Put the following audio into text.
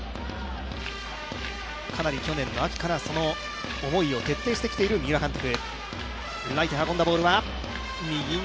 かなり去年の秋から、その思いを徹底してきている三浦監督。